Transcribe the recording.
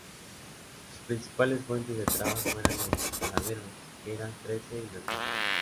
Sus principales fuentes de trabajo eran los saladeros, que eran trece, y las granjas.